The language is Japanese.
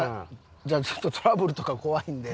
じゃあちょっとトラブルとか怖いんで。